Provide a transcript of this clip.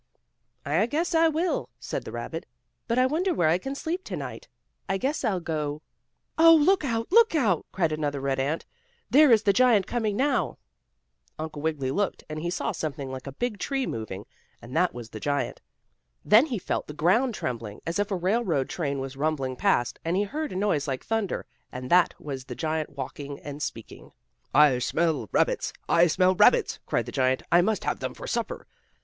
"I guess I will," said the rabbit. "But I wonder where I can sleep to night. I guess I'll go " "Oh, look out! Look out!" cried another red ant. "There is the giant coming now." Uncle Wiggily looked, and he saw something like a big tree moving, and that was the giant. Then he felt the ground trembling as if a railroad train was rumbling past, and he heard a noise like thunder, and that was the giant walking and speaking: "I smell rabbits! I smell rabbits!" cried the giant. "I must have them for supper!"